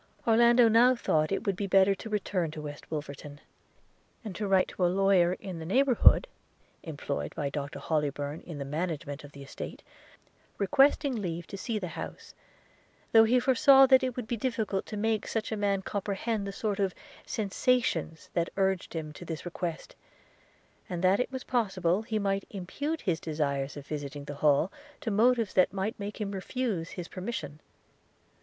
Orlando now thought that it would be better to return to West Wolverton, and to write to a lawyer in the neighbourhood, employed by Dr Hollybourn in the management of the estate, requesting leave to see the house; though he foresaw that it would be difficult to make such a man comprehend the sort of sensations that urged him to this request – and that it was possible he might impute his desire of visiting the Hall to motives that might make him refuse his permission.